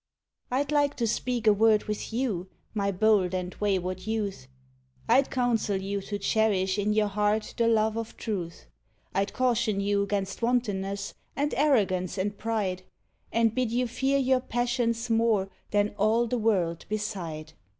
I'd like to speak a word with you, my bold and wayward youth! I'd counsel you to cherish in your heart the love of truth; I'd caution you 'gainst wantonness and arrogance and pride, And bid you fear your passions more than all the world beside.